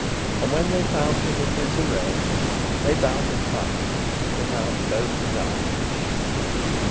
And when they founde him in this array, They bound him fast, and put out both his eyen.